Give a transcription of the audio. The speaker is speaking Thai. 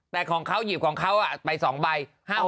แต่ของเขาหยิบของเขาอ่ะไปสองใบ